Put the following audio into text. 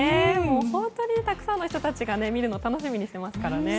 本当にたくさんの人たちが見るのを楽しみにしていますからね。